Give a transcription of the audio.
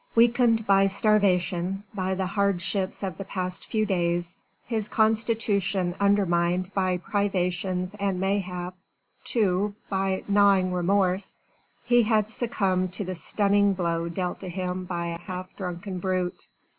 Weakened by starvation, by the hardships of the past few days, his constitution undermined by privations and mayhap too by gnawing remorse, he had succumbed to the stunning blow dealt to him by a half drunken brute.